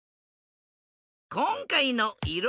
こんかいのいろ